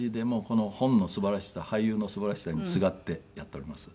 この本の素晴らしさ俳優の素晴らしさにすがってやっております。